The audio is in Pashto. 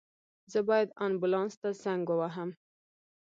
زه باید آنبولاس ته زنګ ووهم